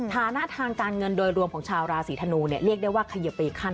ฐานะทางการเงินโดยรวมของชาวราศีธนูเนี่ยเรียกได้ว่าเขยิบไปอีกขั้น